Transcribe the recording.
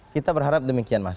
kita berharap demikian mas